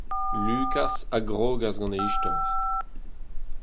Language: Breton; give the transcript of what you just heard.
Lukaz a grogas gant e istor.